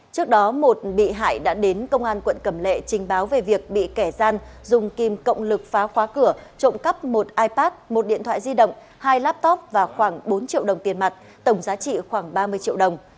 trước đó một bị hại đã đến công an quận cẩm lệ trình báo về việc bị kẻ gian dùng kim cộng lực phá khóa cửa trộm cắp một ipad một điện thoại di động hai laptop và khoảng bốn triệu đồng tiền mặt tổng giá trị khoảng ba mươi triệu đồng